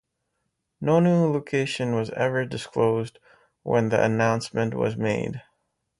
No new location was ever disclosed when the announcement was made.